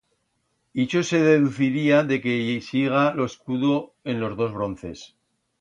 Ixo se deduciría de que i siga lo escudo en los dos bronces.